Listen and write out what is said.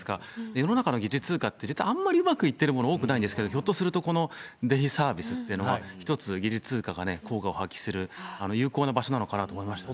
世の中の疑似通貨ってなかなかうまくいってるもの多くないんですけれども、ひょっとするとこのデイサービスっていうのは、一つ疑似通貨が効果を発揮する、有効な場所なのかなと思いましたね。